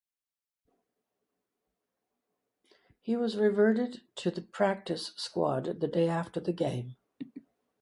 He was reverted to the practice squad the day after the game.